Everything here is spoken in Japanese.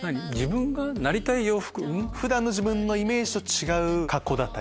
普段の自分のイメージと違う格好だったり。